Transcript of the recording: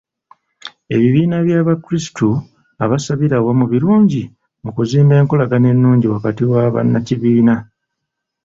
Ebibiina by'Abakirisitu abasabira awamu birungi mu kuzimba enkolagana ennungi wakati wa bannakibiina.